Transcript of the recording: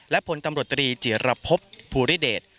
และพลตำรวจตรีจิรพบภูริเดช